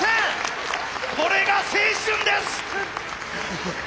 これが青春です！